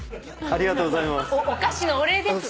ありがとうございます。